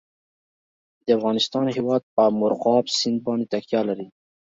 د افغانستان هیواد په مورغاب سیند باندې تکیه لري.